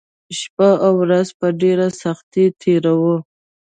شپه او ورځ په ډېره سختۍ تېروو